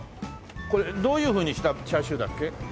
これどういうふうにしたチャーシューだっけ？